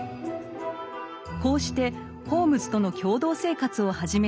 こうしてホームズとの共同生活を始めたワトソン。